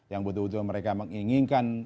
yang betul betul mereka menginginkan